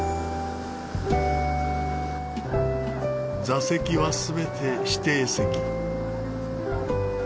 座席はすべて指定席。